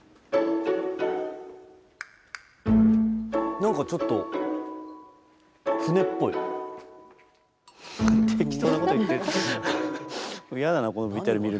何かちょっと適当なこと言ってる。